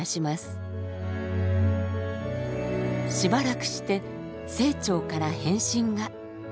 しばらくして清張から返信が。